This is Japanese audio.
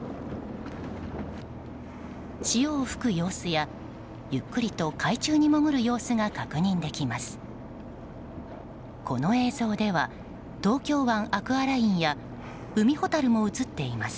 潮を吹く様子やゆっくりと海中に潜る様子が確認できます。